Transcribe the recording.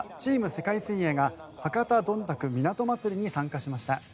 世界水泳が博多どんたく港まつりに参加しました。